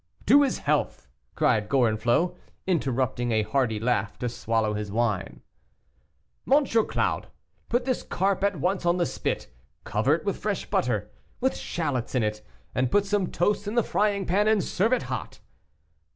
"To his health," cried Gorenflot, interrupting a hearty laugh to swallow his wine. "M. Claude, put this carp at once on the spit, cover it with fresh butter, with shalots in it, and put some toast in the frying pan, and serve it hot."